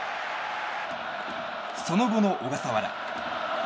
その後の小笠原。